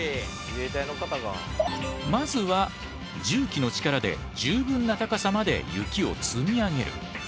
まずは重機の力で十分な高さまで雪を積み上げる。